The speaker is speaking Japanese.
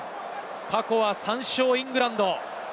過去は３勝のイングランド。